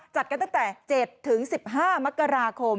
จัดกันตั้งแต่๗๑๕มกราคม